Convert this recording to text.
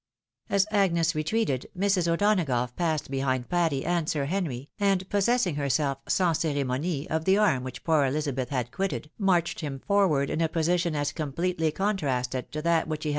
As Agnes retreated, Mrs. O'Donagough passed behind Patty and Sir Henry, and, possessing herself sanS ceremonie of the arm which poor Elizabeth had quitted, marched him forward in a position as completely contrasted to that which he had 344 THE WIDOW MARRIED.